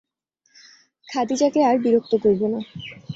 খাদিজাকে আর বিরক্ত করব না।